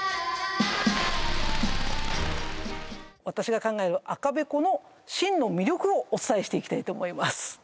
私が考える赤べこの真の魅力をお伝えしていきたいと思います